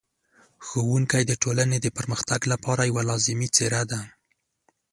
ښوونکی د ټولنې د پرمختګ لپاره یوه لازمي څېره ده.